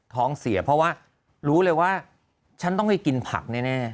ท้องเสียเพราะว่ารู้เลยว่าฉันต้องไปกินผักแน่